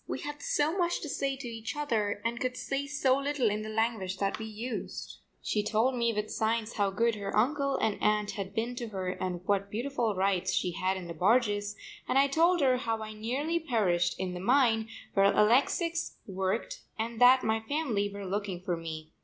We had so much to say to each other and could say so little in the language that we used. She told me with signs how good her uncle and aunt had been to her and what beautiful rides she had in the barges, and I told her how I had nearly perished in the mine where Alexix worked and that my family were looking for me.